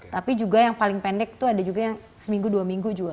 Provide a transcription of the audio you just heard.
tapi juga yang paling pendek itu ada juga yang seminggu dua minggu juga